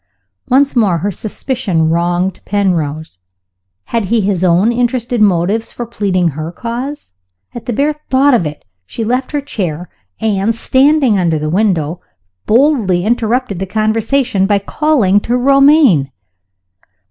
Once more her suspicion wronged Penrose. Had he his own interested motives for pleading her cause? At the bare thought of it, she left her chair and, standing under the window, boldly interrupted the conversation by calling to Romayne.)